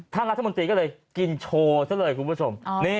ท่านรัฐมนตรีก็เลยกินโชว์ซะเลยคุณผู้ชม